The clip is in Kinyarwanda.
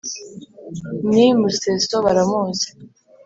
n'i museso baramuzi,